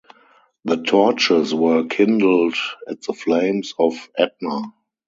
The torches were kindled at the flames of Etna.